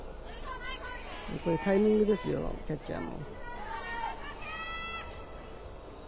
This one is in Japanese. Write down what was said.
やはりタイミングですよね、キャッチャーも。